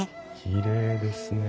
きれいですね。